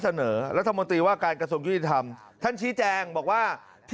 เสนอรัฐมนตรีว่าการกระทรวงยุติธรรมท่านชี้แจงบอกว่าที่